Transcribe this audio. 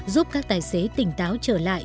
giúp các tài xế tỉnh táo trở lại